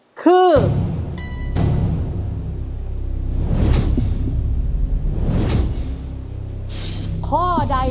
ขอบคุณครับ